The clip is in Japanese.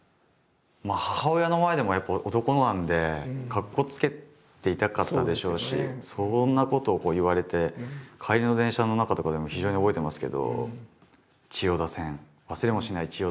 まあ母親の前でもやっぱ男なんでかっこつけていたかったでしょうしそんなことを言われて帰りの電車の中とかでも非常に覚えてますけど。